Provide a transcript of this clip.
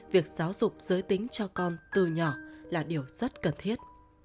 việc giáo dục giới tính cho con từ nhỏ là điều rất cần thiết